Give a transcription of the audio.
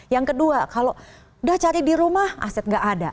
yang kedua kalau udah cari di rumah aset nggak ada